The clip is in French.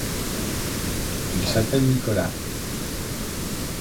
Il s’appelle Nicolas.